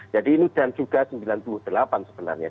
jadi ini dan juga seribu sembilan ratus sembilan puluh delapan sebenarnya